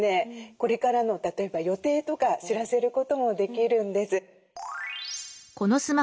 これからの例えば予定とか知らせることもできるんです。